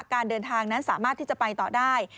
การเดินทางนั้นสามารถที่จะไปต่อได้